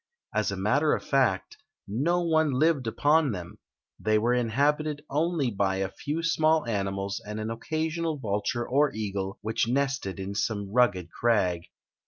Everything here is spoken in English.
As a matter of feet, no one lived upon diem ; they were inhabited only by a few small ani mals and an occasional vulture or eagle which nest; in some rugged crag.